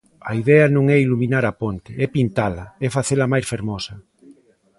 A idea non é "iluminar" a ponte, é pintala, é facela máis fermosa.